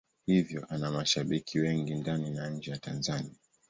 Hivyo ana mashabiki wengi ndani na nje ya Tanzania.